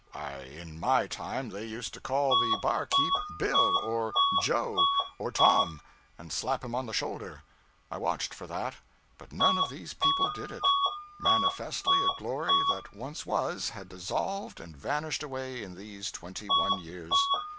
Why, in my time they used to call the 'barkeep' Bill, or Joe, or Tom, and slap him on the shoulder; I watched for that. But none of these people did it. Manifestly a glory that once was had dissolved and vanished away in these twenty one years.